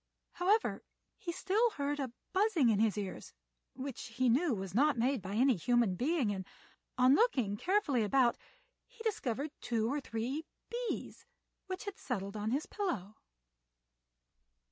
However, he still heard a buzzing in his ears which he knew was not made by any human being, and, on looking carefully about he discovered two or three bees which had settled on his pillow.